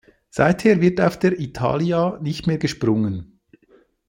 Seither wird auf der "Italia" nicht mehr gesprungen.